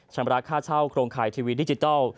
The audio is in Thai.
ชำระค่าเช่าโครงข่ายทีวีดิจิทัล